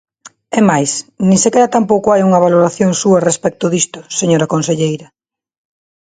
É máis, nin sequera tampouco hai unha valoración súa respecto disto, señora conselleira.